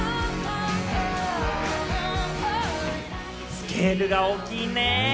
スケールが大きいね。